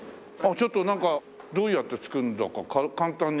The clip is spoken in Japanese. ちょっとどうやって突くんだか簡単に。